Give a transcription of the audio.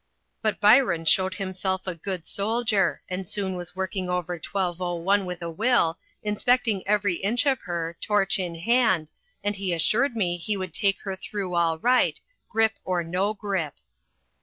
But Byron showed himself a good soldier, and soon was working over 1201 with a will, inspecting every inch of her, torch in hand, and he assured me he would take her through all right, grip or no grip.